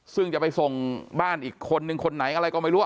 ซึ่งจะไปส่งบ้านอีกคนนึงคนไหนอะไรก็ไม่รู้